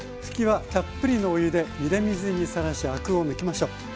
ふきはたっぷりのお湯でゆで水にさらしアクを抜きましょう。